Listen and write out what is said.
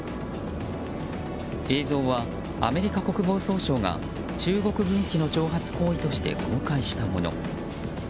映像はアメリカ国防総省が中国軍機の挑発行為として公開したもの。